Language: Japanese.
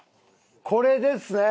これですね。